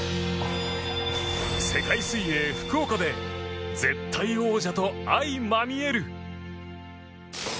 世界水泳福岡で絶対王者と相まみえる！